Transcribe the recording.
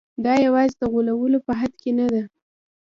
دا یوازې د غولولو په حد کې نه ده.